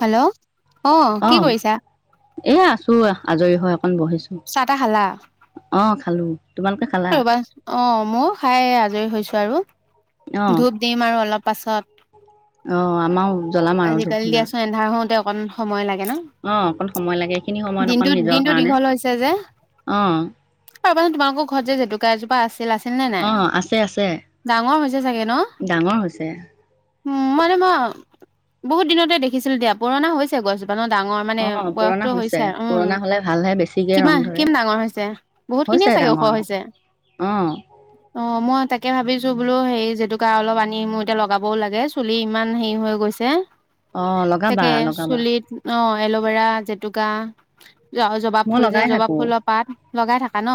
Hello অ কি কৰিছা এ আছো আজৰি হয় অকণমান বহিছো খালোঁ তোমালোকে খালা ৰব অ মোৰ খাই আজৰি হৈছো আৰু ধূপ দিম আৰু অলপ তাৰ পাছত আহ আমাৰ জ্বলাম আৰু ধূপ আজিকালি ধূনা দিয়াচোন এন্ধাৰ হওঁতে অকণ সময় লাগ গে ন? অঁ অকণ সময় লাগে এইখিনি সময়ত অকণ দিনটোত, নিজৰ দিনটো কাৰণে দীঘল হৈছে যে, অঁ অ' ৰ'বাচোন তোমাকো জেতুকা এজোপা আছ অ' আছে, আছে ডাঙৰ হৈছে ডাঙৰ হৈছে। উ মানে মই বহুত দিনতে দেখিছিলো দিয়া পুৰণা হৈছে গছজো ইমানো ডাঙৰ মানে অঁ পুৰণা বয়সতটো হৈছে আৰু উম পুৰণা হ'লে ভালহে বেছিকৈ ৰং কিমান, ধৰে কিমান ডাঙৰ হৈছে? বহুত হৈছে খিনিয়ে চাগে ডাঙৰ ওখ হৈছে। অঁ অ' মই তাকে ভাবিছ ছো বোলো হেই জেতুকা অলপ আনি মোৰ এতিয়া লগাবও লাগে চুলি ইমান হেই হৈ গৈছে। অ' লগাবা, তাকে লগাবা। চুলিত অ এল'ভেৰা, জেতুকা। জ-আও জবাব মই ফুল যে, লগাই জবাব থাকোঁ ফুলৰ পাত। লগাই থাকা ন?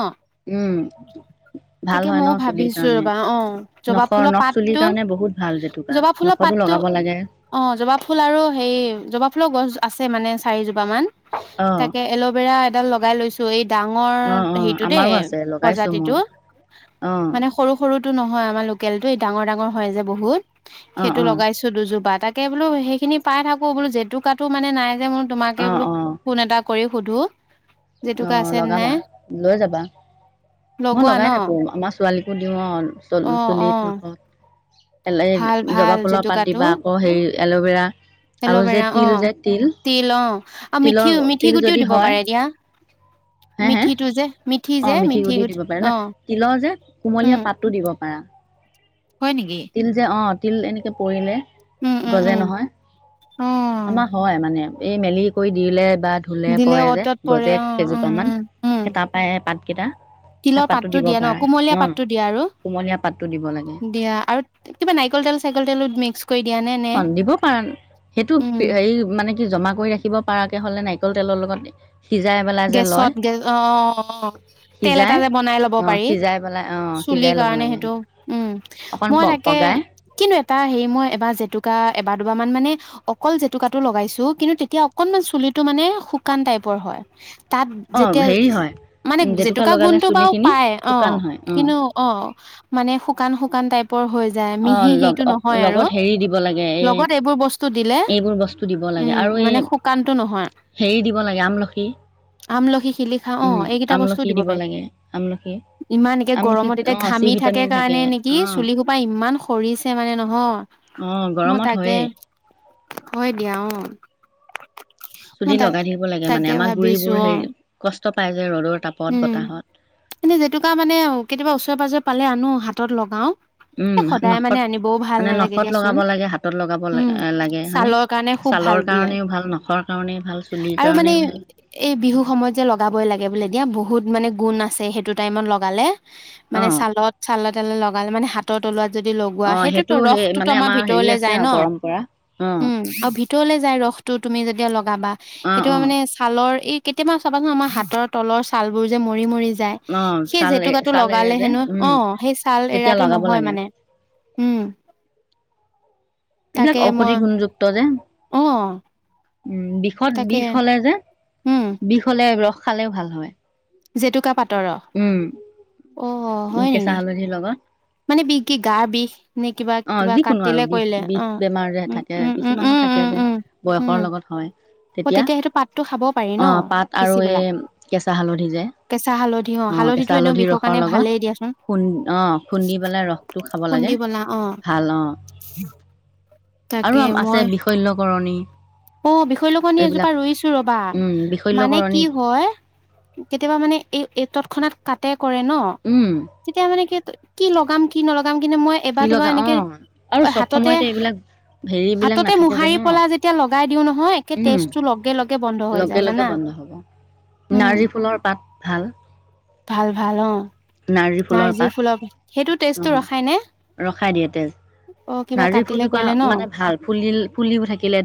ভাল তাকে হয় ন ময়ো চুলিৰ ভাবিছো কাৰণে ৰ'বা, অ' জবাব নখৰ ফুলৰ নখ চুলিৰ পাতটো, কাৰণে বহুত ভাল জেতুকা জবা ফুলৰ নখতো পাতটো, লগাব লাগে অ' জবা ফুল আৰু হেই জবা ফুল' গছ আছে মানে চাৰি জোপ পামান, অঁ তাকে এল'ভেৰা এডাল ল লগাই লৈছো এইট ডাঙৰ অ', অ', হেইটো দেই। আমাৰো আছে লগাইছো মই প্ৰজাতিটো, অ', মানে সৰু সৰু টো নহয় আমাৰ লোকেলতো এই ডাঙৰ ডাঙৰ হয় যে বহুত। অ', সেটো অ', লগাইছো দুজোপা তাত তাকে বোলো হেখিনি পাই থাকোঁ বোলো জেতুকাটো মানে নাই যে মোৰ তোমাকে বোলো ফোন এটা কৰি সুধো। জেতুকা আহ আছে লগাবা, নাই লৈ যাবা। মই লগোৱা ন লগাই থাকো আমা ছোৱালীকো দিওঁ অ' অ অ চু-চুলিত, নখ এলে, ভাল ভাল জবাব ফুলৰ পাত জেতুকাটো দিবা আকৌ হেই এল'ভেৰা আৰু যে এল'ভেৰা অ তিল যে তিল, আৰু মিঠি তিলৰ, মিঠি তিল গুটিও যদি দিব হয় পাৰে দিয়া হে হে মিঠিটো যে। অ' মিঠি গুটি দিব পাই ন? তিলৰ যে উম কুমলীয়া পাতো দিব পাৰা। হয় নেকি তিল যে অ'। তিল এনেকে পৰিলে। উম উম গজে উম নহয়, অ আমাৰ হয় মানে। এই মেলি কৰি দিলে। বা ধুলে দিলে পৰে যে অতত পৰে গজে অ উম কেইজোপা মান উম উম হে তাপ পাত কেইটা তিলৰ পাতটো দিয়ে ন কুমলীয়া পাতটো দিয়ে আৰু কোমলীয়া পাতটো দিব লাগে দিয়া আৰু কিবা নাৰিকল তেল চাইকল তেলো মিক্স কৰি দিয়ে নে? অ দিব পাৰা সেইটো উম, হেই মানে কি জমা কৰি ৰাখিব পাৰাকে হলে নাৰিকল। তেলৰ লগত দি। গেছত গেছ অ তেল এটা সিজাই যে বনাই ল'ব অঁ পাৰি সিজাই পেলাই অঁ চুলিৰ সিজাই ল'ব কাৰণে লাগে সেইটো উম অকণ প মই তাকে পগাই কিনো এইটো। তা হেই মই এবাৰ জেতুকা এবাৰ দুবাৰ মান মানে অকল জেতুকাটো লগাইছো কিন্তু তেতিয়া অকনমান চুলিটো মানে শুকান টাইপৰ হয়। [unintelligible] তাত অঁ যেতিয়া হেৰি হয় মানে জেতুকা লগালে গুণটো বাৰু চুলিখিনি পায় অ শুকান হয় অঁ কিন্তু অ মানে শুকান শুকান টাইপৰ হৈ। যায় অ মিহি লগ সেইটো নহয় আৰু। লগত হেৰি দিব লাগে এ লগত এইবোৰ বস্তু দিলে এইবোৰ বস্তু দিব লাগে উম, আৰু এই মানে শুকানটো নহয় হেৰি দিব লাগে আমলখি। আমলখি, শিলিখা অ উম, এইকেইটা বস্তুও আমলখি দিব লাগে আমলখি পাৰিম ইমান এ আমলখিত গৰমত এতিয়া অ' চি ঘামি থাকে ভিটামিন কাৰণে নেকি অ' চুলিসোপা ইমান। ইমান সৰিছে মানে নহয় অ' মই গৰমত তাকে হয়েই হয় দিয়া অ। মই চুলি তাক লগাই থাকিব লাগে মানে তাকে আমাৰ গুৰি। ভাবিছো অ উম বতাহত মানে জেতুকা মানে কেতিয়াবা ওচৰে পাজৰে। পালে আনো হাতত লগাও। উম এ সদায় মানে নখত আনিবও ভাল মানে নালাগে নখত দিয়াচোন লগাব লাগে হাতত লগাব উম লাগে হয়নে ছালৰ কাৰণে খুব ভাল ছালৰ বোলে কাৰণেও ভাল নখৰ কাৰণে ভাল চুলিৰ আৰু মানে কাৰণে ভাল। এই বিহু সময়ত যে লগাবই লাগে বোলে দিয়া বহুত মানে গুণ আছে সেইটো টাইমত লগালে। মানে অ' চালত চালত লগালে মানে হাতৰ তলোৱাত যদি লগোৱা অ' সেইটোতো সেইটো সেই ৰসটোতো মানে আমাৰ হেৰি ভিতৰলে আছে যায় ন আৰু পৰম্পৰা অ' উম আৰু ভিতৰলে যায় ৰসটো তুমি যদি। এয়া লক। চাবা অ' সেইটো অ' মানে ছালৰ। ই কেতিয়াবা চাবাচোন আমাৰ হাতৰ তলৰ ছালবোৰ যে মৰি মৰি। যায় অ' সেই ছাল জেতুকাটো ছাল এৰে লগালে যে হেনো অ উম, সেই ছাল তেতিয়া এৰাটো লগাব নহয় লাগে মানে উম। এইবিলাক তাকে ঔষধি মই গুণযুক্ত যে। অ। উম বিষত তাকে বিষ হলে যে। উম বিষ হল। ইয়াৰ ৰস খালেও ভাল হয়। জেতুকা পাত উম হয় নেকি কেঁচা হালধিৰ লগত মানে বিষ কি গা বিষ নে কিবা অ কিবা যিকোনো আৰু কাটিলে বিষ কৰিলে বিষ অ বেমাৰ যে উম থাকে উম উম কিছুমানৰ উম থাকে উম যে উম বয়সৰ উম লগত হয় অ তেতিয়া সেইটো পাতটো খাব পাৰি অ ন পাত আৰু পিচি এই পেলাই কেঁচা হালধি যে কেঁচা হালধি অ হালধিটো কেঁচা এনেও হালধি বিষৰ ৰসৰ কাৰণে ভালেই লগত দিয়াচোন খু অ খুন্দি পেলাই ৰসটো খাব লাগে খুন্দি পেলা অ ভাল অ আৰু তাকে আছে মই বিষল্যকৰণী অ বিশল্যকৰণী এজোপা এইবিলাক ৰুইছো ৰবা উম মানে বিষল্যকৰণী কি হয় কেতিয়াবা মানে এই এইটত খনাত কাটে কৰে ন উম তেতিয়া মানে কি কি লগাম কি নলগাম কিন্তু মই কি এবাৰ দুবাৰ লগা অ এনেকে আৰু চব হাততে সময়তে এইবিলাক হেৰিবিলাক হাততে নাথাকে যে মোহাৰি ন পলা যেতিয়া লগাই দিও নহয়ে উম তেজটো লগে লগে বন্ধ হৈ লগে যায় লগে জানা বন্ধ হ'ব উম নাৰ্জী ফুলৰ পাত ভাল ভাল ভাল অ নাৰ্জী ফুলৰ সেইটো অ তেজটো ৰখাই নে ৰখাই দিয়ে তেজ অ কিবা নাৰ্জী কাটিলে ফুলটোত কৰিলে ন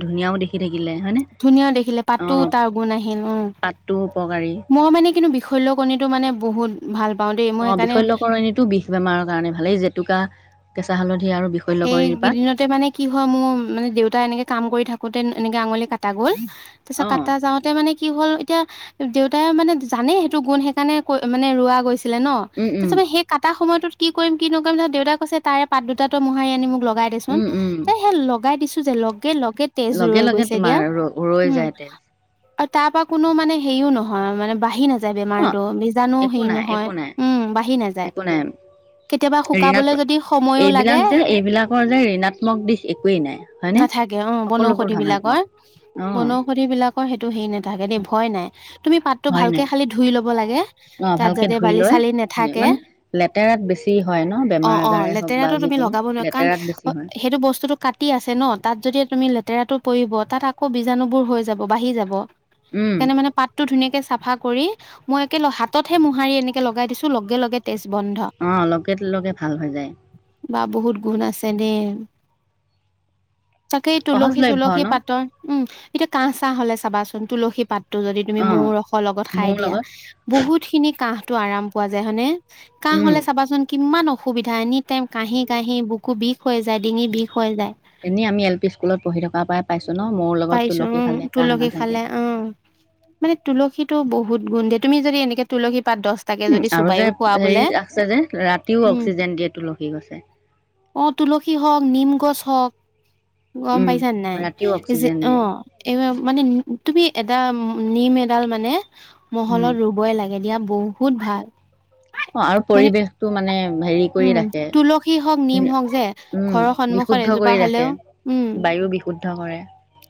ধুনীয়াও দেখি থাকিলে হয়নে ধুনীয়া দেখিলে অ পাতো তাৰ গুণ আহিল উম পাতটো উপকাৰী মই মানে কিন্তু বিশল্য কণীটো মানে বহুত ভাল পাওঁ দেই মই অঁ সেইকাৰণে বিশল্যকৰণীটো বিষ বেমাৰৰ কাৰণে ভালেই জেতুকা কেঁচা হালধি আৰু বিশল্যকৰণী পাত এইকেইদিনতে মানে কি হয় মোৰ মানে দেউতাই এনেকে কাম কৰি থাকোতে এনেকে আঙুলি কাটা গ'ল তাৰ পিছত অ কাটা যাওঁতে মানে কি হ'ল এতিয়া দেউতাই মানে জানে সেইটো গুণ সেইকাৰণে ক মানে ৰোৱা গৈছে [inaudible] ছিলে ন উম উম তাৰপে সেই কটা সময়তত কি কৰিম কি নকৰিম ধ দেউতাক কৈছে তাৰে পাত দুতাত মোাৰি আনি মোক লগ [inaudible] লগাই দি দেচোন। উম উম তাই সে লগাই দিছো [inaudible] লগ লগে লগে তোমাৰ ৰ ৰৈ উম যায় তেজ আৰু তাৰ পৰা কোনো মানে হেৰিও নহয় মানে বাঢ়ি [inaudible] অ বেমাৰটো বীজাণু একো হেৰি নাই একো নাই নহয় উম বাঢ়ি নাযায় একো নাই কেতিয়াবা ঋণাত শুকাবলৈ যদি সময়ো এইবিলাক লাগে যে এইবিলাকৰ যে ঋণাত্মক দিশ একোৱেই নাই হয়নে? নাথাকে অ সকলোবোৰ বনৌষধি ধনাত্মক বিলাকৰ অ বনৌষধি বিলাকৰ সেইটো হেৰি নাথাকে দেই ভয় নাই তুমি পাতটো হয় নাই ভালকে খালী ধুই ল [inaudible] লাগে অ' তাত ভালকে যাতে বালি ধুইলৈ চালি নাথাকে মানে লেতেৰাত বেছি হয় ন অ বেমাৰ অ আজাৰে হওক বা লেতেৰাটো তুমি লগাব যিকোনো নোৱাৰা কাৰণ লেতেৰাত বেছি হয় সেইটো বস্তুতটো কাটি আছে ন তাত যদি তুমি লেতেৰাটো পৰিব তাত আকৌ বীজাণুবোৰ হৈ যাব বাঢ়ি যাব উম সেইকাৰণে মানে পাতটো ধুনীয়াকে চ চাফা কৰি মই একে ল হাততহে মোহাৰি এনেকে লগাই দিছো লগে লগে তেজ বন্ধ অ' লগে লগে ভাল হৈ যায় বা বহুত গুণ আছে দেই তাকেই তুলসী সহজলভ্য চুলসী ন পাতৰ উম। এতিয়া কাঁহ চাহ হলে চাবাচোন তুলসী পাত যদি তুমি অ মৌ ৰসৰ লগত খাই মোৰ দিয়া লগত বহুত খিনি কাহ তটো আৰাম পোৱা যায় হয়নে? কাহ উম হলে চাবাচোন কিমান অসুবিধা এনি টাইম কাহি কাহি বুকু বিষ হৈ যায় ডিঙি বিষ হৈ যায় এনেই আমি এল পি স্কুলত পঢ়ি থকাৰ পৰাই পাইছো ন মৌৰ লগত পাইছো তুলসী উম খালে কাহ তুলসী নাথাকে। ত বহুত গুণ দেই তুমি যদি এনেক তুলসী পাত দহটাকে উম যদি আৰু যে চুবাইও খোৱা হেৰি বোলে আছে যে ৰাতিও উম অক্সিজেন দিয়ে তুলসী গছে অ তুলসী হওক নিম গছ হওক গম উম পাইছা নাই ৰাতিও যে অক্সিজেন অ' দিয়ে এইবাৰ মানে তুমি এডাল নিম এডাল মানে উম মহলত ৰুবই লাগে এদিয়া বহুত ভাল অ আৰু মানে পৰিৱেশটো মানে হেৰি কৰি উম ৰাখে তুলসী হওক নিম হওক যে উম ঘৰৰ সন্মুখত বিশুদ্ধ এজোপা কৰি হলেও ৰাখে উম বায়ু বিশুদ্ধ কৰে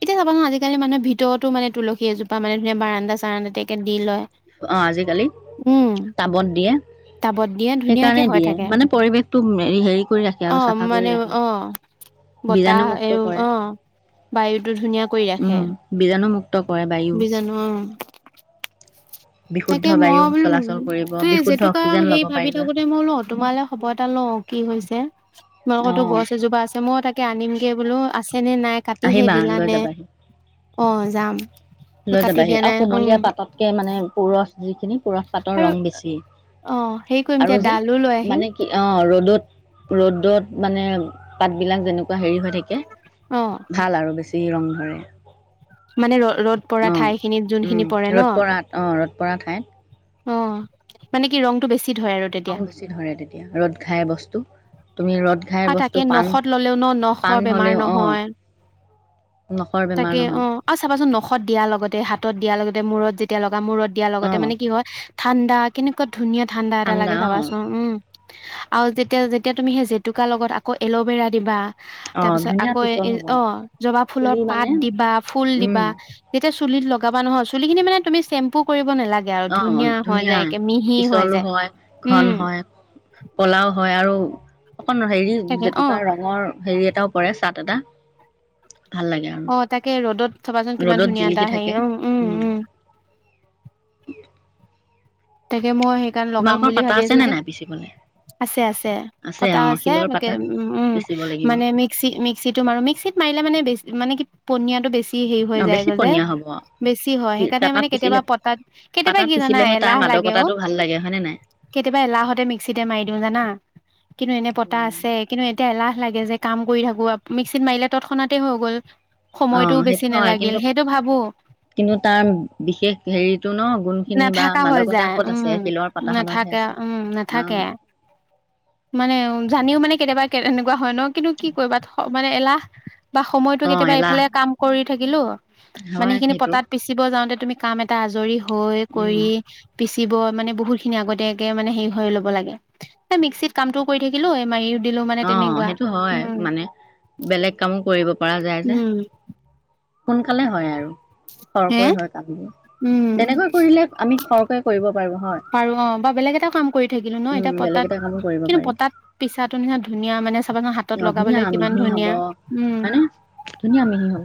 এতিয়া চাবাচোন আজিকালি মানুহে ভিতৰতো মানে তুলসী এজোপা মানে ধুন বাৰন্দা চাৰান্দাতে একে দি লয় অ আজিকালি উম টাবত দিয়ে টাবত দিয়ে ধুনীয়াকে সেইকাৰণে হৈ দিয়ে থাকে মানে পৰিৱেশটো হেৰি কৰি ৰাখে অ আৰু চাফা কৰি মানে ৰাখে অ বতাহ বীজাণুমুক্ত এই কৰে অ বায়ুটো ধুনীয়া কৰি ৰাখে উম বীজাণুমুক্ত কৰে বায়ু বীজাণু অ বিশুদ্ধ তাকে বায়ু মই বোলো চলাচল কৰিব ত বিশুদ্ধ জেতুকা অক্সিজেন হেই ল'ব ভাবি পাৰিবা থাকোতে মই ল তোমালৈ খবৰ এটা ল কি হৈছে অ তোমালোকৰতো গছ এজোপা আছে মই তাকে আনিম গে বোলো আছ নে নাই কাটিহে আহিবা লৈ দিলানে যাবাহি অ যাম লৈ কাটি যাবাহি দিয়া আৰু নাই উম কুমলীয়া পাততকে মানে পুৰঠ যিখিনি পুৰঠ পাতৰ আৰু ৰং বেছি অ হেৰি কৰিম দিয়া আৰু যে ডালো লৈ আহিম মানে কি অঁ ৰ'দত ৰ'দত মানে--পাত বিলাক যেনেক কুৱা হেৰি হৈ অ থাকে--ভাল আৰু বেছি। [unintelligible] ৰং ধৰে মানে ৰ ৰ'দ পৰা অঁ ঠাইখিনিত, যোনখিনি পৰে ন ৰ'দ পৰাত অঁ ৰ'দ পৰা ঠাইত অ মানে কি ৰংটো বেছি ধৰে আৰু তেতিয়া ৰং বেছি ধৰে তেতিয়া, ৰ'দ ঘাই বস্তু--তুমি ৰ'দ ঘাই আৰু তাকে বস্তু পাণ নখত ললেও ন নখৰ পাণ বেমাৰ হ'লেও অ নহয় নখৰ তাকে বেমাৰ অ নহয়। আৰু চাবাচোন নখত দিয়া লগতে, হাতত দিয়াৰ লগতে মূৰত যেতিয়া লগ বা মূৰত দিয়াৰ লগতে অঁ মানে কি হয় ঠাণ্ডা--কেনেকুৱা ধুনীয়া ঠাণ্ডা এটা লাগে চাবাচোন। উম আৰু যেতিয়া, যেতিয়া তুমি সেই জেতুকা লগত আকৌ এল'ভেৰা দিবা তাৰ অঁ পিছত, ধুনীয়া আকৌ পিছল এ হ'ব অ জবা ফুলৰ চুলি পাত মানে দিবা ফুল দিবা। যেতি য়া চুলিত লগাব নহয়, চুলিখিনি মানে, তুমি চেম্পু কৰিব নালাগে আৰু অ ধুনীয়া হৈ যায় একে মিহি হৈ ধুনীয়া--পিছলো যায় হয়, ঘন উম হয়, কলাও হয় আৰু অকণ হেৰি তাকে অ জেতুকা ৰঙৰ হেৰি এটাও পৰে, চাট এটা ভাল লাগে আৰু অ তাকে, ৰ'দত থ'বাচোন, কিমান ৰ'দত ধুনীয়া জিলিকি এটা আহে। থাকে উম, উম, উম তাকে মই সেইকাৰণে লগাম তোমালোকৰ বুলি পাতা ভাবি আছে আছোঁ নে যে। নাই পিচিবলে আছে-আছে পটা অ আছে, শিলৰ তাকে, পাতাত উ-উম পিচিব লাগিব মানে, মিক্সি-মিক্সিতটো মাৰো। মিক্সিত মাৰিলে মানে বেছি মানে কি পনীয়াটো বেছি হেৰি হৈ অ বেছি যায়গৈ যে, পনীয়া হ'ব বেছি হয়। সেইকাৰণে পাতাত মানে কেতিয়াবা পিচিলে পতাত, কেতিয়াবা পাতাত কি জানা পিচিলেহে তাৰ এলাহ লাগে। মাদকতাটো [unintelligible] ভাল লাগে হয়নে নাই কেতিয়াবা এলাহতে মিক্সিতে মাৰি দিউ জানা। কিন্তু এনে পতা আছে, কিন্তু এতিয়া এলাহ এলাহ লাগে যে কাম কৰি থাকো। মিক্সিত মাৰিলে তৎক্ষণাতে হৈ গ'ল। অ সময়টোও বেছি সেইটো হয়, নালাগিল কিন্তু, সেইটো ভাবো কিন্তু তাৰ বিশেষ হেৰিতটো ন গুণ খিনি বা নাথাকা হৈ মাদকতা যায় ক'ত উম, আছে শিলৰ পাতাখনতহে নাথাকে, আছে উম অ নাথাকে। মানে, জানিও মানে কেতিয়াবা কে এনেকুৱা হয় ন? কিন্তু কি কৰিবা? মানে এলাহ সময়তটো অ কেতিয়াবা এলাহ এইফালে কাম কৰি থাকিলোঁ। মানে, হয় সেইখিনি সেইটো পতাত পিচিব যাওঁতে তুমি কাম এটা আজৰি হৈ কৰি উম পিচিব মানে বহুত খিনি আগতীয়াকে মানে হেৰি হৈ ল'ব লাগে। মিক্সিত কামটো কৰি থাকিলো এই মাৰি অ', সেইটো হয় মানে। বেলেগ কামো কৰিব পৰা যায় যে। উম সোনকালে হয় আৰু। হে খৰকৈ হয় কামবোৰ তেনেকৈ কৰিলে আমি খৰকৈ কৰিব পাৰো হয় বাৰু অ', বা বেলেগ এটা কাম কৰি থাকিলো ন উম এতিয়া বেলেগ পতাত এটা কামো কৰিব কিন্তু পাৰি পতাত পিছাটো নিচিনা ধুনীয়া মানে চাবাচোন হাত অ', ধুনীয়া মিহি হ'ব হয়নে? ধুনীয়া মিহি হ'ব।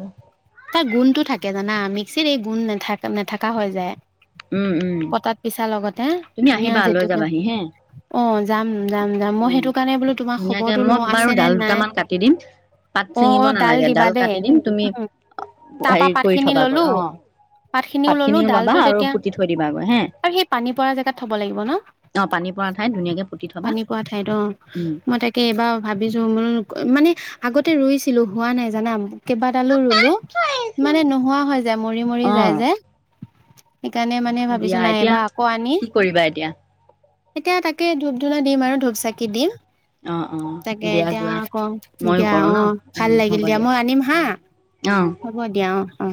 তাৰ গুণটো থাকে জানা মিক্সিত এই গুণ নেথাক-নেথাকা হৈ যায়। উম উম পটাত পিছা লগত [unintelligible] তুমি ধুনীয়া আহিবা লৈ জেতুকা। যাবাহি হে অ', যাম-যাম-যাম মই উম সেইটো কাৰণে বোলো তোমাৰ ধুনীয়াকে খবৰটো মই লওঁ বাৰু আছে নে ডাল নাই? দুটামান কাটি দিম পাত অ', ছিঙিব অ', ডাল নালাগে দিবা দেই কাটি দিম তুমি উম। তাৰ হেৰি পৰা পাত কৰি খিনি থবাগৈ ললো অহ, পাত ললো খিনিও লবা ডালটো আৰু তেতিয়া পুতি থৈ দিবাগৈ হে? আৰু সেই পানী পৰা থব লাগিব ন? অ পানী পৰা ঠাইত ধুনীয়াকে পুতি থবা পানী পোৱা ঠাইত অ', উম মই তাকে এইবাৰ ভাবিছো বোলো মানে আগতে ৰুইছিলোঁ হোৱা নাই জানা, কেইবাডালো ৰুলোঁ মানে নোহোৱা হৈ যায় মৰি, মৰি যায় অ যে। সেইকাৰণে মানে দিয়া ভাবিছো এতিয়া নাইবা আকৌ আনি কি কৰিবা এতিয়া এতিয়া তাকে ধূপ ধূনা দিম আৰু ধূপ চাকি দি। অ অ তাকে দিয়া এতিয়া যোৱা আক ময়ো দিয়া কৰো ন অ ভাল উম লাগিল হ'ব দিয়া মই আনিম হা উম অ হ'ব দিয়া অ। অ।